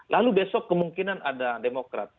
lalu besok kemungkinan ada demokrat